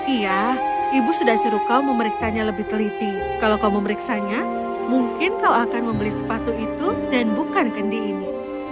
iya ibu sudah suruh kau memeriksanya lebih teliti kalau kau memeriksanya mungkin kau akan membeli sepatu itu dan bukan kendi ini